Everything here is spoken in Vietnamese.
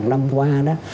năm qua đó